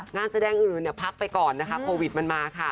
งานแสดงอื่นเนี่ยพักไปก่อนนะคะโควิดมันมาค่ะ